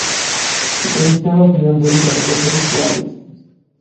შეიმჩნევა გვიანდელი გადაკეთების კვალიც.